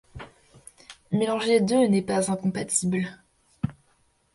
Mélanger les deux n'est pas incompatible.